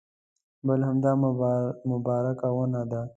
بل همدا مبارکه ونه ده.